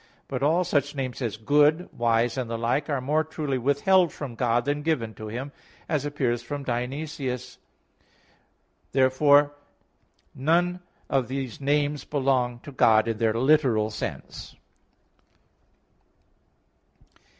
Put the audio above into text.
But all such names as "good," "wise," and the like are more truly withheld from God than given to Him; as appears from Dionysius says (Coel. Hier. ii). Therefore none of these names belong to God in their literal sense.